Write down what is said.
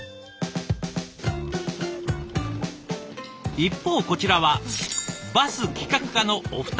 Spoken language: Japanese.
一方こちらはバス企画課のお二人。